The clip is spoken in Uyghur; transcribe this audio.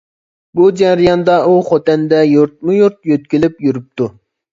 بۇ جەرياندا ئۇ خوتەندە يۇرتمۇيۇرت يۆتكىلىپ يۈرۈپتۇ.